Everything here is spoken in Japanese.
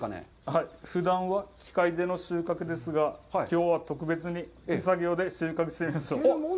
はい、ふだんは機械での収穫ですが、きょうは特別に手作業で収穫してみましょう。